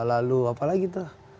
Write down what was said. lalu apalagi itu